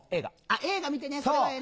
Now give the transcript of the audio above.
映画見てねそれはええね。